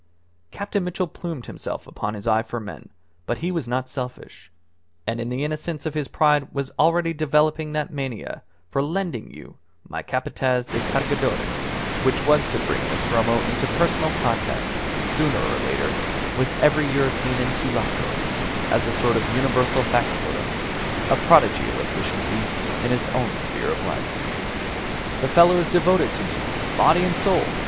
Captain Mitchell plumed himself upon his eye for men but he was not selfish and in the innocence of his pride was already developing that mania for "lending you my Capataz de Cargadores" which was to bring Nostromo into personal contact, sooner or later, with every European in Sulaco, as a sort of universal factotum a prodigy of efficiency in his own sphere of life. "The fellow is devoted to me, body and soul!"